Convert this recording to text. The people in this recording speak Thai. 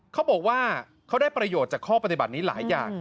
เขาบอกว่าเขาได้ประโยชน์จากข้อปฏิบัตินี้หลายอย่าง